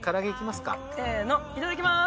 せのいただきます。